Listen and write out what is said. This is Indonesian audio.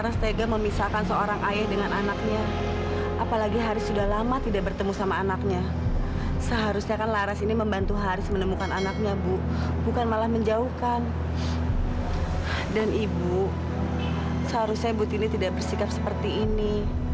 seharusnya ibu tiri tidak bersikap seperti ini